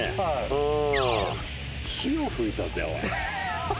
うん火をふいたぜおい